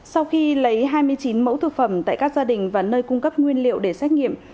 sau khi lấy hai mươi chín mẫu thực phẩm tại các gia đình và nơi cung cấp nguyên liệu để xét nghiệm